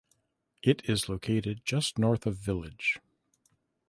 It is located just North of village.